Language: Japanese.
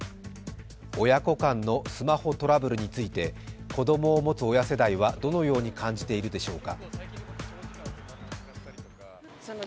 親子間のスマホトラブルについて子供を持つ親世代はどのように感じているでしょうか。